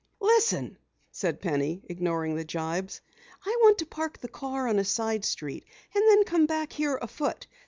"Listen!" said Penny, ignoring the jibes. "I want to park the car on a side street, and then come back here afoot.